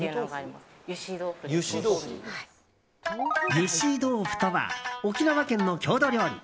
ゆし豆腐とは沖縄県の郷土料理。